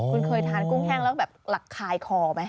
คุณเคยทานกุ้งแห้งแล้วแบบหลักคายคอไหม